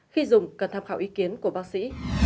khi dùng cần tham khảo ý kiến của bác sĩ